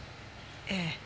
ええ。